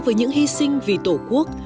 với những hy sinh vì tổ quốc